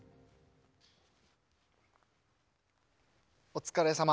お疲れさま。